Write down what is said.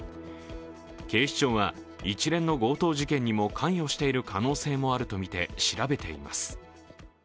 警視庁は一連の強盗事件にも関与している可能性があるとみて調べています。